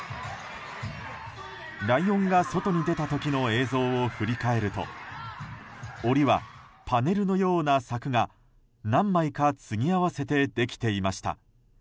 ライオンが外に出た時の映像を振り返ると檻はパネルのような柵が何枚かつぎ合わせてできていました。